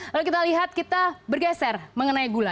lalu kita lihat kita bergeser mengenai gula